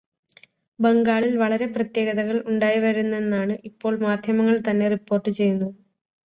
ബംഗാളിൽ വളരെ പ്രത്യേകതകൾ ഉണ്ടായിവരുന്നെന്നാണ് ഇപ്പോൾ മാധ്യമങ്ങൾതന്നെ റിപ്പോർട്ട് ചെയ്യുന്നത്.